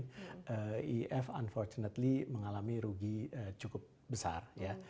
iif unfortunately mengalami rugi cukup besar ya